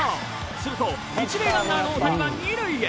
すると１塁ランナーの大谷は２塁へ。